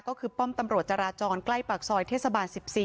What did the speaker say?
ก็คือป้อมตำรวจจราจรใกล้ปากซอยเทศบาล๑๔